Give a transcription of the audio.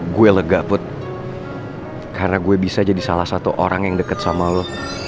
gue lega put karena gue bisa jadi salah satu orang yang deket sama lo